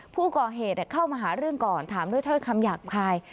ผู้ก่อเหตุเข้ามาหาเรื่องก่อนถามด้วยเท่าไหร่คำหยาบคลาย